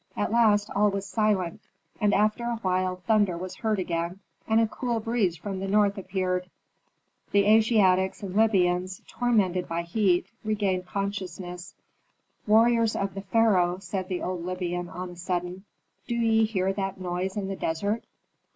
At last all was silent, and after a while thunder was heard again, and a cool breeze from the north appeared. The Asiatics and Libyans, tormented by heat, regained consciousness. "Warriors of the pharaoh," said the old Libyan on a sudden, "do ye hear that noise in the desert?"